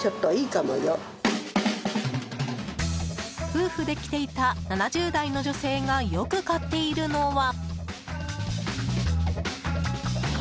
夫婦で来ていた７０代の女性がよく買っているのは。